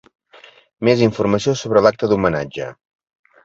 Més informació sobre l'acte d'Homenatge.